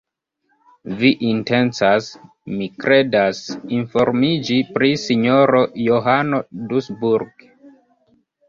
Vi intencas, mi kredas, informiĝi pri sinjoro Johano Dusburg.